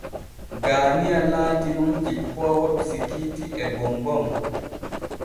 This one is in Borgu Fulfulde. Gaaniya laati nun cippoowo bisikiiiti e bombom.